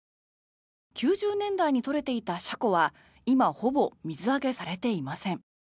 ９０年代に取れていたシャコは今、ほぼ水揚げされていません。